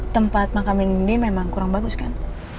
tempat makan ini memang kurang bagus kan